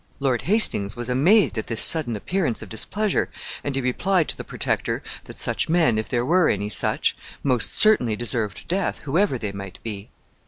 Lord Hastings was amazed at this sudden appearance of displeasure, and he replied to the Protector that such men, if there were any such, most certainly deserved death, whoever they might be.